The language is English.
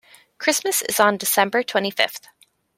Christmas is on December twenty-fifth.